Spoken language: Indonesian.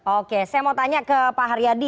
oke saya mau tanya ke pak haryadi